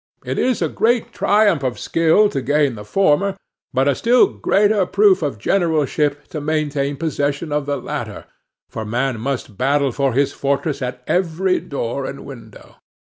It is a great triumph of skill to gain the former, but a still greater proof of generalship to maintain possession of the latter, for man must battle for his fortress at every door and window.